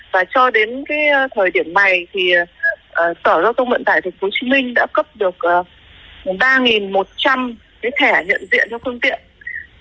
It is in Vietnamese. và cho đến cái thời điểm này thì sở giao thông vận tải tp hcm đã cấp được ba một trăm linh cái thẻ nhận diện cho tp hcm